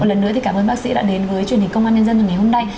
một lần nữa thì cảm ơn bác sĩ đã đến với truyền hình công an nhân dân ngày hôm nay